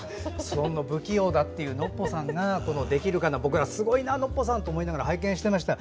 不器用だというノッポさんが「できるかな」、僕らすごいなノッポさんと思いながら拝見していました。